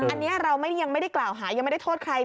อันนี้เรายังไม่ได้กล่าวหายังไม่ได้โทษใคร